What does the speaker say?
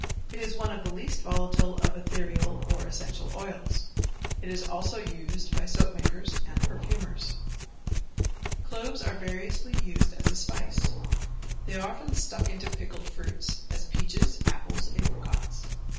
It is one of the least volatile of ethereal or essential oils. It is also used by soapmakers and perfumers. Cloves are variously used as a spice. They are often stuck into pickled fruits, as peaches, apples, apricots.